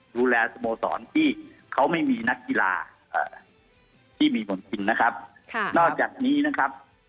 ดูแลสโมสรที่เขาไม่มีนักกีฬาที่มีผลจริงนะครับนอกจากนี้นะครับ